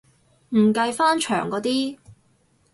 唔計翻牆嗰啲